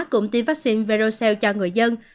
cũng tiêm vaccine verocell cho người dân